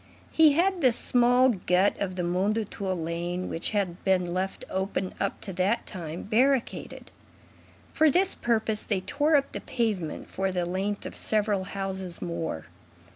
He had the small gut of the Mondétour lane, which had been left open up to that time, barricaded. For this purpose, they tore up the pavement for the length of several houses more.